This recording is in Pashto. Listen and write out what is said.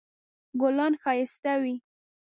ګلان ښایسته وي